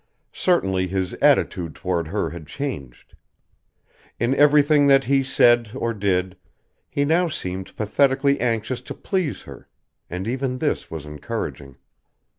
Certainly his attitude toward her had changed. In everything that he said or did, he now seemed pathetically anxious to please her, and even this was encouraging.